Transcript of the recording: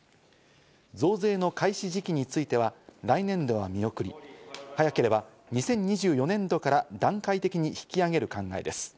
増税の開始時期については来年度は見送り、早ければ２０２４年度から段階的に引き上げる考えです。